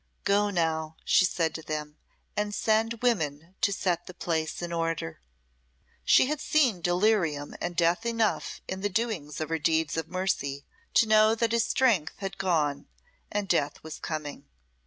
"Go now," she said to them, "and send women to set the place in order." She had seen delirium and death enough in the doings of her deeds of mercy, to know that his strength had gone and death was coming.